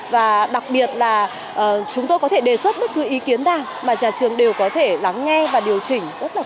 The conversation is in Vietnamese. và đặc biệt là chúng tôi có thể đề xuất bất cứ ý kiến nào mà nhà trường đều có thể lắng nghe và điều chỉnh